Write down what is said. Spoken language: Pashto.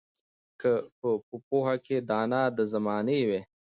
که په پوهه کې دانا د زمانې وي